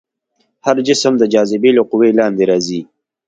هر جسم د جاذبې له قوې لاندې راځي.